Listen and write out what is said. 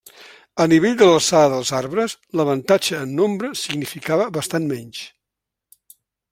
Al nivell de l'alçada dels arbres, l'avantatge en nombre significava bastant menys.